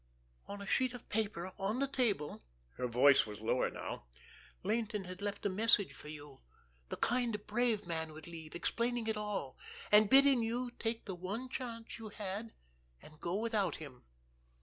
"On a sheet of paper on the table"—her voice was lower now—"Laynton had left a message for you, the kind a brave man would leave, explaining it all, and bidding you take the one chance you had and go without him.